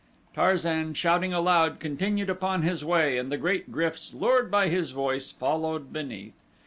Tarzan, shouting aloud, continued upon his way and the great gryfs, lured by his voice, followed beneath.